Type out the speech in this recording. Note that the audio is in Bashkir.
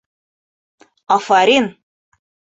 Афарин!..